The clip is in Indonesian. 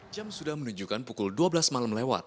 jam sudah menunjukkan pukul dua belas malam lewat